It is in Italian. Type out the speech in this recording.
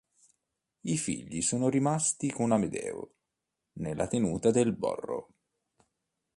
I figli sono rimasti con Amedeo nella tenuta del "Borro".